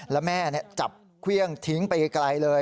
แล้วแม่จับเครื่องทิ้งไปไกลเลย